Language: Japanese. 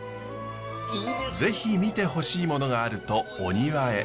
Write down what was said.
是非見てほしいものがあるとお庭へ。